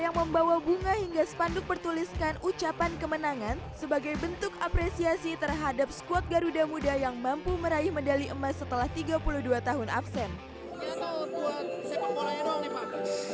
yang membawa bunga hingga sepanduk bertuliskan ucapan kemenangan sebagai bentuk apresiasi terhadap squad garuda muda yang mampu meraih menangani kemenangan yang terakhir di jenderal sudirman